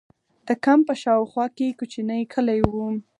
د کمپ په شا او خوا کې کوچنۍ کلي وو.